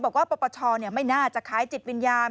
บอกว่าปปชไม่น่าจะขายจิตวิญญาณ